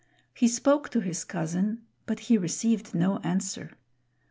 He spoke to his cousin, but he received no answer.